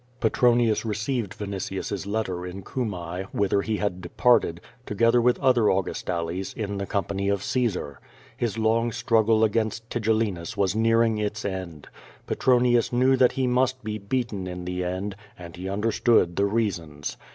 Petronius received Venitius^s letter in Cumae, whither he had departed, together with other Augustales, in the com pany of Caesar. His long struggle against Tigellinus was nearing its end. Petronius knew that he must be beaten in the end, and he understood the reasons.